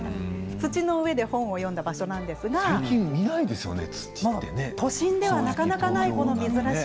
土の上で本を読んだ場所なんですがしかも、駅前なんだよね？